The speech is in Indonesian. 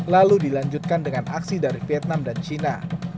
lalu dilanjutkan dengan aksi dari vietnam dan cina